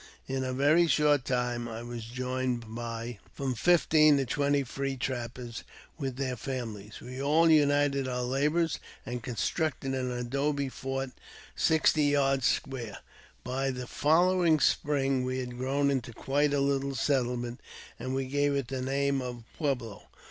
In a very short time I was joined by from fifteen to twenty free trappers, with their families. We all united our labours, and constructed an adobe fort sixty yards square. By the following spring we had grown into quite a little settle ment, and we gave it the name of Pueblo.